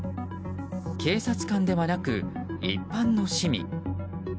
警察官ではなく一般の市民。